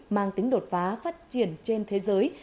mang tính đột phá phát triển trên thế giới